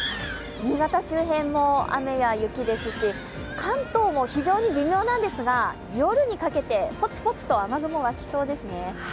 新潟周辺も雨や雪ですし関東も非常に微妙なんですが夜にかけて、ポツポツと雨雲が来そうですね。